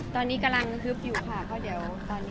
ตอนนี้กำลังฮึบอยู่ค่ะ